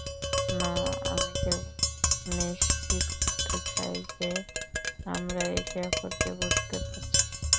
না, আমি কেবল নিশ্চিত করতে চাই যে আমরা একে অপরকে বুঝতে পারছি।